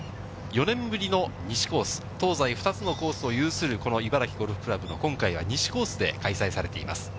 ４年ぶりの西コース、東西２つのコースを有するこの茨城ゴルフ倶楽部の今回は西コースで開催されています。